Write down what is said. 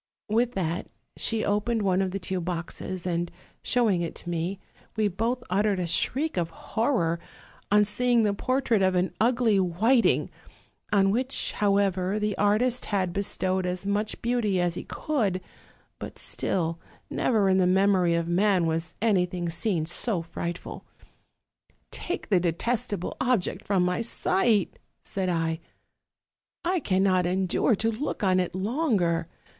With that she opened one of the two boxes, and showing it to me, we both uttered a shriek of horror on seeing the portrait of an ugly Whit ing, on which, however, the artist had bestowed as much beauty as he could; but still, never in the memory of man was anything seen so frightful. 'Take the detest able object from my sight,' said I, 'I cannot endure to look on it longer.